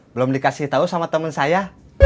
belum dikasih tahu sama teman saya